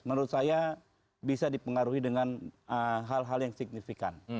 menurut saya bisa dipengaruhi dengan hal hal yang signifikan